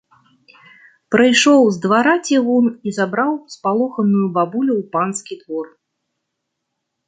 Прыйшоў з двара цівун і забраў спалоханую бабулю ў панскі двор.